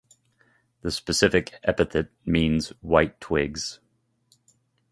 The specific epithet means "white twigs".